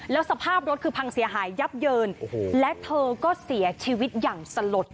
แล้วสภาพรถคือพังเสียหายยับเยินและเธอก็เสียชีวิตอย่างสลด